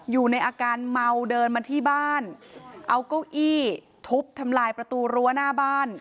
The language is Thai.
อยู่ในอาการเมาเดินมาที่บ้านเอาเก้าอี้ทุบทำลายประตูรั้วหน้าบ้าน